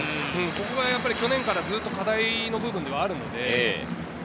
ここが去年からずっと課題の部分ではあるので。